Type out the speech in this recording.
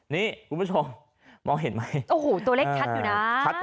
นี่คุณผู้ชมมองเห็นไหมโอ้โหตัวเลขชัดอยู่นะ